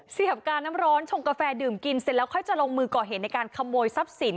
เสียบกาน้ำร้อนชงกาแฟดื่มกินเสร็จแล้วค่อยจะลงมือก่อเหตุในการขโมยทรัพย์สิน